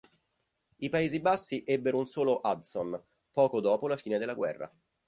I Paesi Bassi ebbero un solo Hudson, poco dopo la fine della guerra.